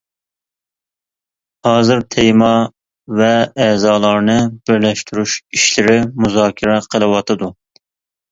ھازىر تېما ۋە ئەزالارنى بىرلەشتۈرۈش ئىشلىرى مۇزاكىرە قىلىۋاتىدۇ.